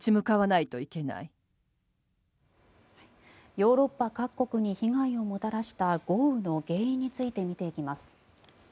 ヨーロッパ各国に被害をもたらした豪雨の原因について見ていきます。